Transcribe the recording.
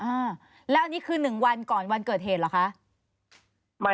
อ้าวแล้วนี่คือหนึ่งวันก่อนวันเกิดเหตุเหรอคะ